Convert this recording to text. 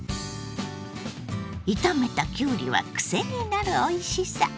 炒めたきゅうりはクセになるおいしさ。